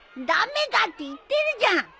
駄目だって言ってるじゃん！